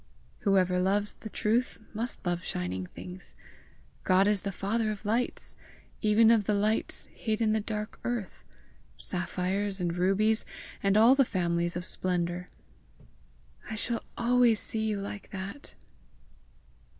"Whoever loves the truth must love shining things! God is the father of lights, even of the lights hid in the dark earth sapphires and rubies, and all the families of splendour." "I shall always see you like that!"